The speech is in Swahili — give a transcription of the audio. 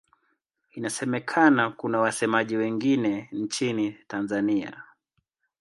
Inasemekana kuna wasemaji wengine nchini Tanzania.